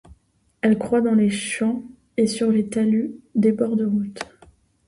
Elle croît dans les champs et sur les talus des bords de routes.